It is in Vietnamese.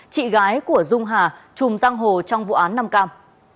chị gái của dung hà trùm giang hồ trong vụ án năm cam